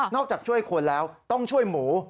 จากช่วยคนแล้วต้องช่วยหมู